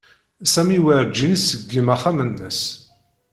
Sami werǧin iṣeggem axxam-nnes.